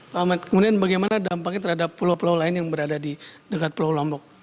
pak ahmad kemudian bagaimana dampaknya terhadap pulau pulau lain yang berada di dekat pulau lombok